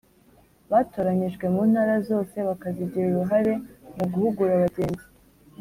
Batoranyijwe mu ntara zose bakazagira uruhare mu guhugura bagenzi